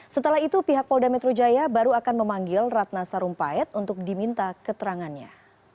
setelah itu pihak polda metro jaya baru akan memanggil ratna sarumpait untuk diminta keterangannya